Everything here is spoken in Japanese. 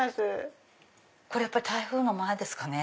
これ台風の前ですかね？